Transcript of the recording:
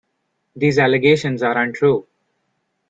These allegations are untrue.